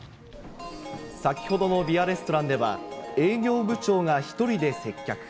先ほどのビアレストランでは、営業部長が１人で接客。